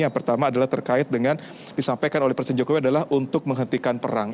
yang pertama adalah terkait dengan disampaikan oleh presiden jokowi adalah untuk menghentikan perang